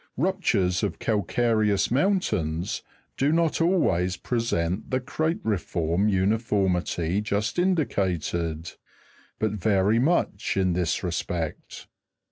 Ruptures of calcareous mountains do not always present the crate'riform uniformity just indicated, but vary much, in this re spect.